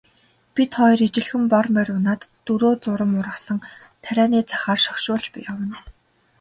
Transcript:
Бид хоёр ижилхэн бор морь унаад дөрөө зурам ургасан тарианы захаар шогшуулж явна.